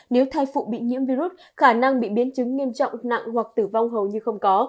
nếu thai phụ bị nhiễm virus khả năng bị biến chứng nghiêm trọng nặng hoặc tử vong hầu như không có